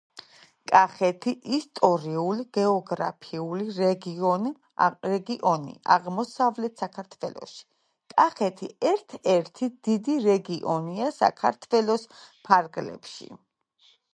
კახეთი — ისტორიულ-გეოგრაფიული რეგიონი აღმოსავლეთ საქართველოში. კახეთი ერთ-ერთი დიდი რეგიონია საქართველოს ფარგლებში.